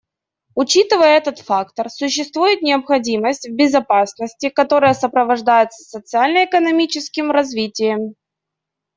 Учитывая этот фактор, существует необходимость в безопасности, которая сопровождается социально-экономическим развитием.